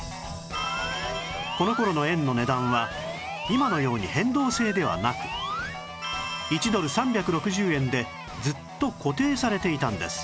この頃の円の値段は今のように変動制ではなく１ドル３６０円でずっと固定されていたんです